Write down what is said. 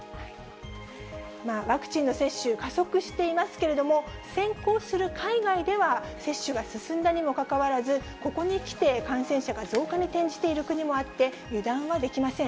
ワクチンの接種、加速していますけれども、先行する海外では、接種が進んだにもかかわらず、ここに来て感染者が増加に転じている国もあって、油断はできません。